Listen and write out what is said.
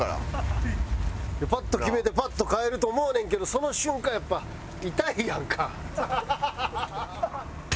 パッと決めてパッと帰ると思うねんけどその瞬間やっぱいたいやんか。